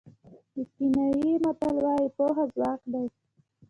کینیايي متل وایي پوهه ځواک دی.